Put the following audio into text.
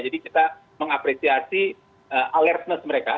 jadi kita mengapresiasi alertness mereka